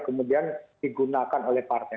kemudian digunakan oleh partai